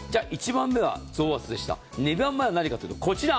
２番目は何かというと、こちら。